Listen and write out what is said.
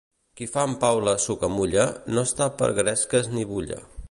Qui fa en pau la sucamulla no està per gresques ni bulla.